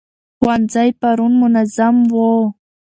ښوونځي پرون منظم وو.